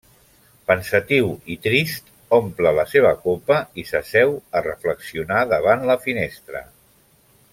Pensatiu i trist, omple la seva copa i s’asseu a reflexionar davant la finestra.